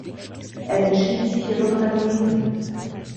Er entschied sich jedoch dagegen.